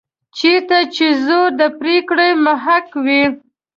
چېرته چې زور د پرېکړې محک وي.